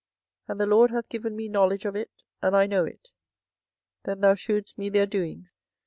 24:011:018 And the LORD hath given me knowledge of it, and I know it: then thou shewedst me their doings.